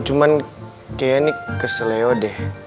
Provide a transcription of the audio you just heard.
cuman kayaknya ini kesel leo deh